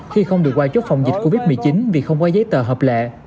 khi không được qua chốt phòng dịch covid một mươi chín vì không có giấy tờ hợp lệ